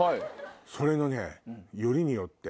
それのよりによって。